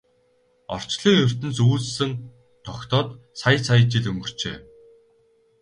Орчлон ертөнц үүсэн тогтоод сая сая жил өнгөрчээ.